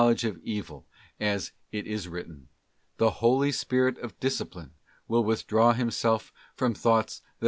ledge of evil, as it is written: 'The Holy Spirit of dis ————— cipline will withdraw Himself from thoughts that.